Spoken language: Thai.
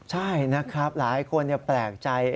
ใช่นะครับหลายคนแปลกใจ